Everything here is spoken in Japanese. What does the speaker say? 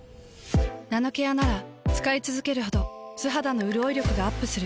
ナノケアなら使いつづけるほど素肌のうるおい力がアップする。